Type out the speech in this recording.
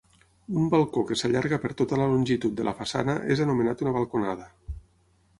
Un balcó que s'allarga per tota la longitud de la façana és anomenat una balconada.